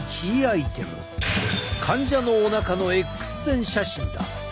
患者のおなかのＸ線写真だ。